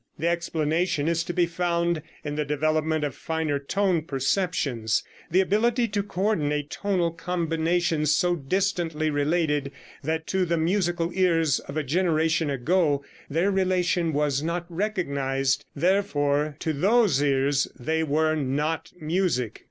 The explanation is to be found in the development of finer tone perceptions the ability to co ordinate tonal combinations so distantly related that to the musical ears of a generation ago their relation was not recognized, therefore to those ears they were not music.